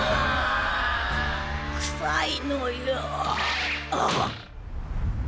くさいのよ。